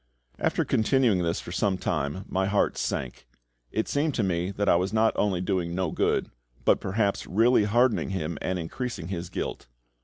After continuing this for some time, my heart sank. It seemed to me that I was not only doing no good, but perhaps really hardening him and increasing his guilt.